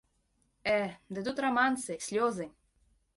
Э, ды тут рамансы, слёзы.